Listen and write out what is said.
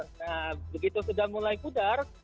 nah begitu sudah mulai pudar